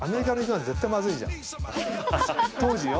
当時よ。